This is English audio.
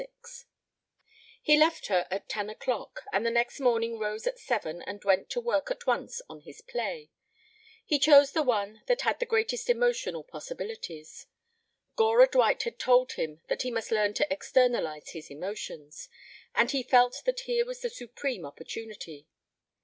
XXXVI He left her at ten o'clock, and the next morning rose at seven and went to work at once on his play. He chose the one that had the greatest emotional possibilities. Gora Dwight had told him that he must learn to "externalize his emotions," and he felt that here was the supreme opportunity.